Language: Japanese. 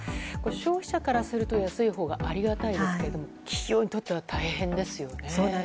消費者からすると安いほうがありがたいですけど企業にとっては大変ですよね。